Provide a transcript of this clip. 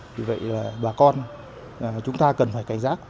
vì vậy là bà con chúng ta cần phải cảnh giác